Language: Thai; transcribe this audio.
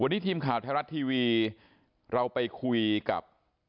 วันนี้ทีมข่าวไทยรัฐทีวีเราไปคุยกับ